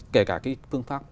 kể cả cái phương pháp